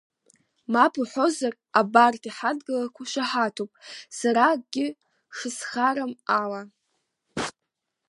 Мап уҳәозар, абарҭ иҳадгылақәоу шаҳаҭуп сара акгьы шысхарам ала!